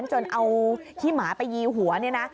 จนเอาขี้หมาไปยีหัวเนี่ยนะ